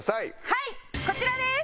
はいこちらです！